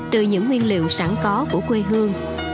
từ những nguyên liệu sẵn có của quê hương